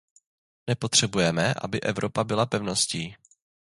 Nepotřebujeme, aby Evropa byla pevností.